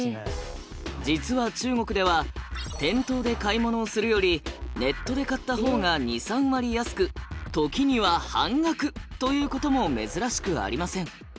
実は中国では店頭で買い物をするよりネットで買ったほうが２３割安く時には半額ということも珍しくありません。